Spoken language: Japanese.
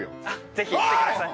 ぜひ来てください。